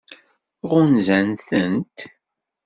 Ɣunzant-tent?